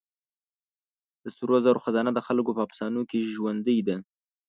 د سرو زرو خزانه د خلکو په افسانو کې ژوندۍ ده.